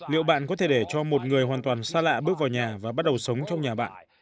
liệu bạn có thể để cho một người hoàn toàn xa lạ bước vào nhà và bắt đầu sống trong nhà bạn